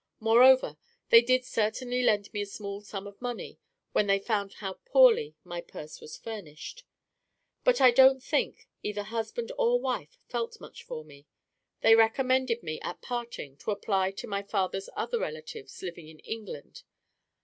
Moreover, they did certainly lend me a small sum of money when they found how poorly my purse was furnished. But I don't think either husband or wife felt much for me. They recommended me, at parting, to apply to my father's other relatives, living in England.